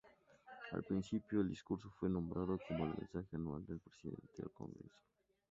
Al principio, el discurso fue nombrado como "el mensaje anual del presidente al Congreso.